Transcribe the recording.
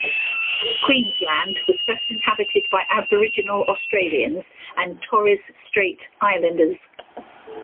Queensland was first inhabited by Aboriginal Australians and Torres Strait Islanders.